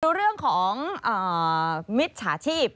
เมื่อเรื่องของมิตรชาชีพ